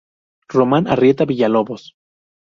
Román Arrieta Villalobos.